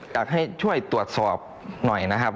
อยากให้ช่วยตรวจสอบหน่อยนะครับ